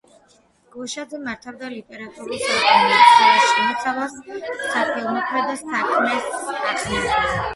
გოშაძე მართავდა ლიტერატურულ საღამოებს, ხოლო შემოსავალს საქველმოქმედო საქმეს ახმარდა.